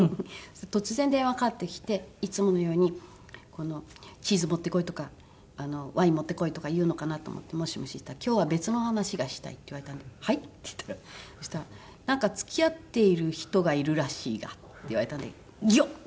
突然電話がかかってきていつものように「チーズ持ってこい」とか「ワイン持ってこい」とか言うのかなと思って「もしもし」って言ったら「今日は別の話がしたい」って言われたので「はい？」って言ったらそしたら「なんか付き合っている人がいるらしいが」って言われたんでギョッ！